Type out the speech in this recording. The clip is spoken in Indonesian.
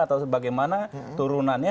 atau bagaimana turunannya